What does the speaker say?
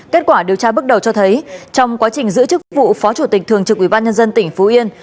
kết quả điều tra bước đầu cho thấy trong quá trình giữ chức vụ phó chủ tịch thường trực ủy ban nhân dân tỉnh phú yên